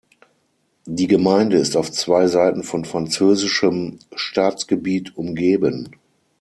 Die Gemeinde ist auf zwei Seiten von französischem Staatsgebiet umgeben.